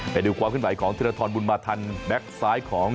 ไปดูความขึ้นใหม่ของธิรัทรรณบุญมาธรรมแบ็คซ้ายของ